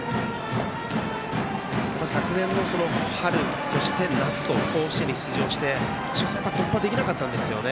昨年の春、そして、夏と甲子園に出場して初戦は突破できなかったんですよね。